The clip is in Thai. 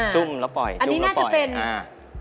จุ่มแล้วปล่อยจุ่มแล้วปล่อยอันนี้น่าจะเป็น